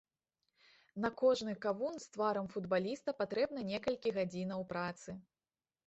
На кожны кавун з тварам футбаліста патрэбна некалькі гадзінаў працы.